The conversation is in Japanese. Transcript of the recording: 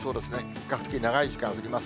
比較的長い時間降ります。